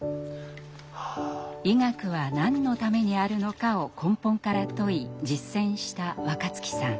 「医学は何のためにあるのか」を根本から問い実践した若月さん。